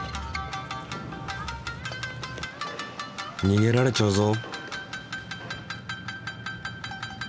にげられちゃうぞ。